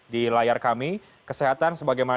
di layar kami kesehatan sebagaimana